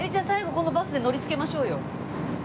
このバスで乗りつけましょうよ。